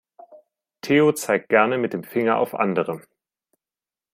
Theo zeigt gerne mit dem Finger auf andere.